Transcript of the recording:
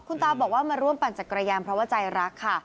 คุณตาบอกว่ามาร่วมปั่นจักรยานเพราะว่าใจรักค่ะ